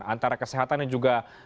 antara kesehatan dan juga